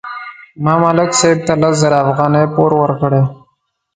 ما ملک صاحب ته لس زره افغانۍ پور ورکړې.